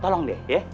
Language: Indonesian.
tolong deh ya